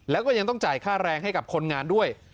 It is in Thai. แล้วก็ยังต้องจ่ายค่าแรงให้กับคนงานด้วย